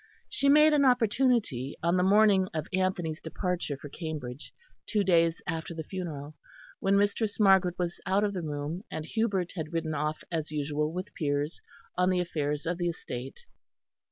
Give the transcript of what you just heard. She made an opportunity on the morning of Anthony's departure for Cambridge, two days after the funeral, when Mistress Margaret was out of the room, and Hubert had ridden off as usual with Piers, on the affairs of the estate.